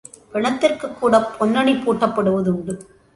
பிணத்திற்குக் கூடப் பொன்னணி பூட்டப்படுவது உண்டு.